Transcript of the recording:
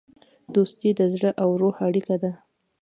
دوستي د زړه او روح اړیکه ده.